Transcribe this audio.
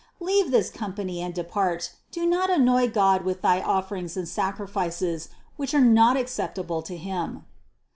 Leave this company and depart; do not annoy God with thy offerings and sacrifices, which are not acceptable to Him."